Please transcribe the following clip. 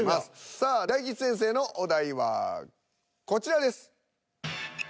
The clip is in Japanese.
さあ大吉先生のお題はこちらです。